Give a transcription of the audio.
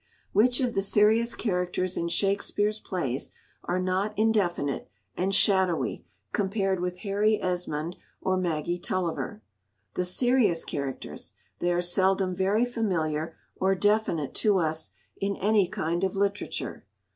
"Which of the serious characters in Shakspeare's plays are not indefinite and shadowy compared with Harry Esmond or Maggie Tulliver?" The serious characters—they are seldom very familiar or definite to us in any kind of literature.